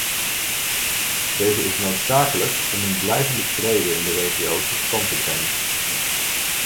Deze is noodzakelijk om een blijvende vrede in de regio tot stand te brengen.